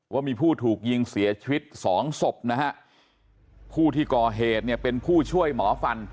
ว่ามีผู้ถูกยิงเสียชีวิตสองศพนะฮะผู้ที่ก่อเหตุเนี่ยเป็นผู้ช่วยหมอฟัน